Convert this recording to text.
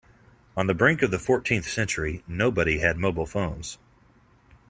On the brink of the fourteenth century, nobody had mobile phones.